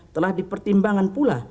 telah dipertimbangkan pula